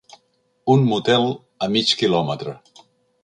Un motel a mig quilòmetre.